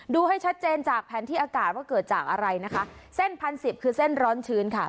ดูให้ชัดเจนจากแผนที่อากาศว่าเกิดจากอะไรนะคะเส้นพันสิบคือเส้นร้อนชื้นค่ะ